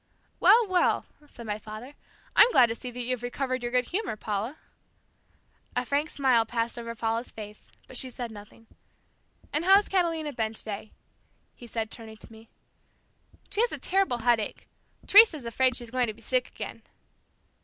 "Well, well," said my father, "I'm glad to see that you have recovered your good humor, Paula." A frank smile passed over Paula's face, but she said nothing. "And how has Catalina been today?" he said, turning to me. "She has a terrible headache. Teresa is afraid she's going to be sick again."